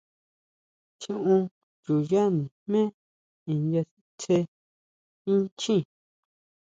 Tjiún chuyá nijmé nya sitsé inchjín.